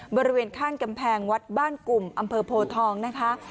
บริเวณข้างกำแผงวัดบ้านกุ่มอโพธองนะคะ